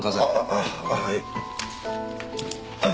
ああはい。